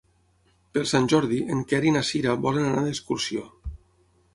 Per Sant Jordi en Quer i na Cira volen anar d'excursió.